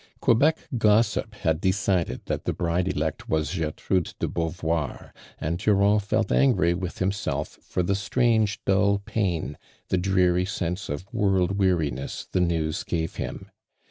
Queoec gossip hiul decided that the bride olect was Gertrude de Beauvoir, and Durand ff It angry with himself for the strange dull pain, the dreary sense of world weariness t he news gave him.